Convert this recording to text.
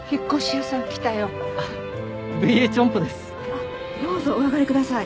あっどうぞお上がりください。